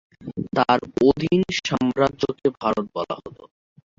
তার অধীন সাম্রাজ্যকে ভারত বলা হতো।